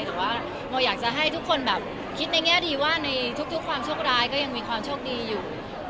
แต่ว่าโมอยากจะให้ทุกคนแบบคิดในแง่ดีว่าในทุกความโชคร้ายก็ยังมีความโชคดีอยู่